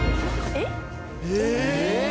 えっ？